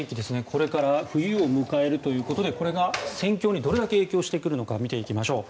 これから冬を迎えるということでこれが戦況にどれだけ影響していくのか見ていきましょう。